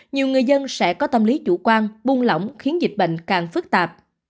nhiều người dân sẽ có tâm lý chủ quan buông lỏng khiến dịch bệnh càng phức tạp